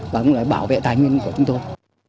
và cũng là bảo vệ tài nguyên của chúng tôi